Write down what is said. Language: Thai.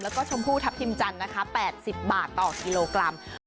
แล้วก็ชมพูทัพทิมจันทร์นะคะ๘๐บาทต่อกิโลกรัม